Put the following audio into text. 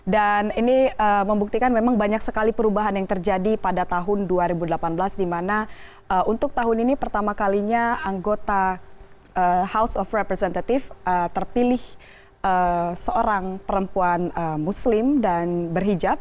dan ini membuktikan memang banyak sekali perubahan yang terjadi pada tahun dua ribu delapan belas dimana untuk tahun ini pertama kalinya anggota house of representatives terpilih seorang perempuan muslim dan berhijab